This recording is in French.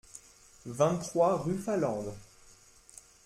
vingt-trois rue Falande